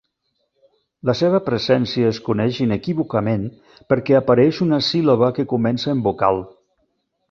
La seva presència es coneix inequívocament perquè apareix una síl·laba que comença en vocal.